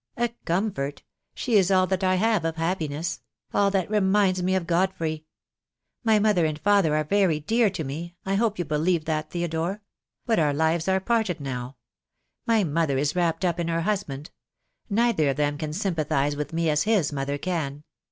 "A comfort! She is all that I have of happiness — all that reminds me of Godfrey. My mother and father are very dear to me — I hope you believe that, Theodore? — but our lives are parted now. My mother is wrapped up in her husband. Neither of them can sympathise with me as his mother can.